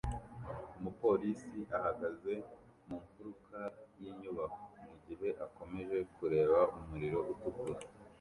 Umupolisi ahagaze mu mfuruka y’inyubako mu gihe akomeje kureba umuriro utukura